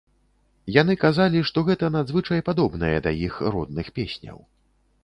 Яны казалі, што гэта надзвычай падобнае да іх родных песняў.